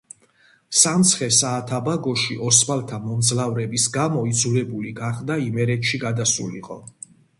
სამცხე-საათაბაგოში ოსმალთა მომძლავრების გამო იძულებული გახდა იმერეთში გადასულიყო.